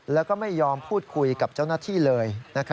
แล้วก็ไม่ยอมพูดคุยกับเจ้าหน้าที่เลย